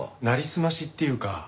なりすましっていうか